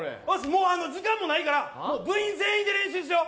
もう時間もないから部員全員で練習しよう